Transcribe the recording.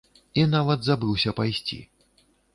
І нават забыўся пайсці.